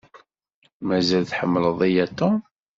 Mazal tḥemmleḍ-iyi a Tom?